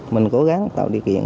mình cố gắng tạo điều kiện